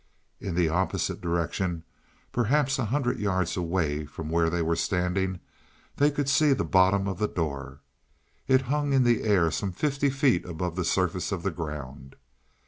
In the opposite direction, perhaps a hundred yards away from where they were standing, they could see the bottom of the door. It hung in the air some fifty feet above the surface of the ground.